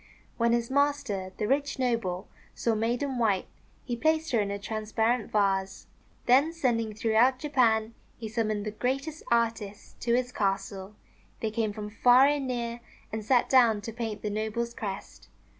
When his master, the rich noble, saw Maiden White, he placed her in a transparent vase. Then sending throughout Japan, he summoned the greatest artists to his castle. They came from far and near, and sat down to paint the noble's crest.